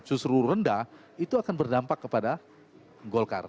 justru rendah itu akan berdampak kepada golkar